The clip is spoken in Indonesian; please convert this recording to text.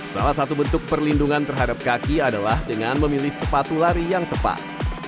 salah satu bentuk perlindungan terhadap kaki adalah dengan memilih sepatu lari yang tepat